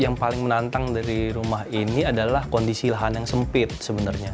yang paling menantang dari rumah ini adalah kondisi lahan yang sempit sebenarnya